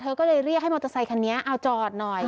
ก็เลยเรียกให้มอเตอร์ไซคันนี้เอาจอดหน่อย